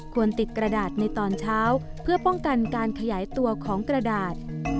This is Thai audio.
ติดกระดาษในตอนเช้าเพื่อป้องกันการขยายตัวของกระดาษ